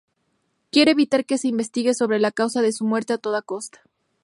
Quiere evitar que se investigue sobre la causa de su muerte a toda costa.